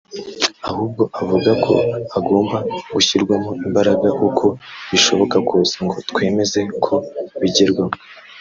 ahubwo avuga ko hagomba gushyirwamo imbaraga uko bishoboka kose ngo twemeze ko bigerwaho